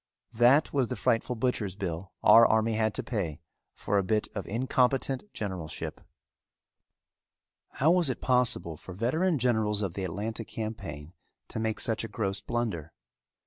That was the frightful butchers' bill our army had to pay for a bit of incompetent generalship. How was it possible for veteran generals of the Atlanta campaign to make such a gross blunder?